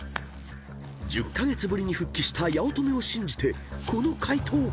［１０カ月ぶりに復帰した八乙女を信じてこの解答］